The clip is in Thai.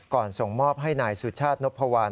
ก่อนส่งมอบให้นายสุชาตินพะวัน